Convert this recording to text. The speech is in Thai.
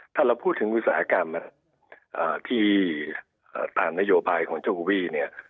ถ้าเราพูดถึงอุตสาหกรรมตามนโยบายของจโควิดโด